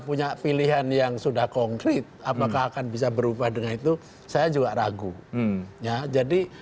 punya pilihan yang sudah konkret apakah akan bisa berubah dengan itu saya juga ragu ya jadi